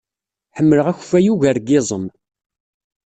Ḥemmleɣ akeffay ugar n yiẓem.